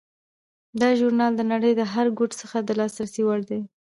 دا ژورنال د نړۍ له هر ګوټ څخه د لاسرسي وړ دی.